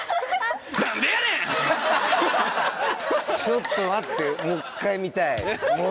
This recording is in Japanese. ちょっと待ってもう一回見たい。